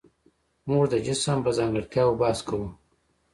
موږ د جسم په ځانګړتیاوو بحث کوو.